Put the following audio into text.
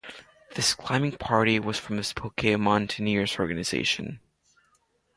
This climbing party was from the Spokane Mountaineers organization.